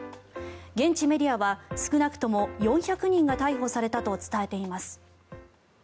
現地メディアは少なくとも４００人が逮捕されたと伝えています。